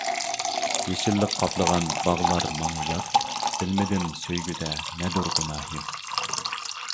يېشىللىق قاپلىغان باغلار ماڭا يات، بىلمىدىم سۆيگۈدە نەدۇر گۇناھىم.